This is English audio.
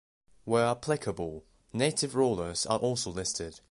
Where applicable, native rulers are also listed.